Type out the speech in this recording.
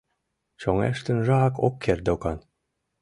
Чоҥештенжак ок керт докан.